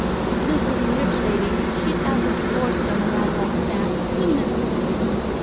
" If Liz was a rich lady she'd 'ave 'er divorce from a man like Sam, soon as look at 'im.